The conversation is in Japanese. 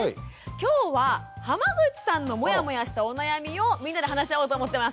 今日は濱口さんのモヤモヤしたお悩みをみんなで話し合おうと思ってます。